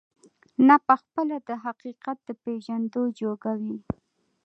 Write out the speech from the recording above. نه په خپله د حقيقت د پېژندو جوگه وي،